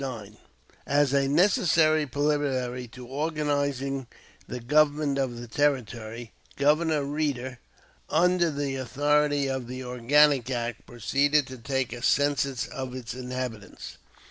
9.] As a necessary preliminary to organizing the government of the Territory, Governor Reeder, under the authority of the organic act, proceeded to take a census of its inhabitants.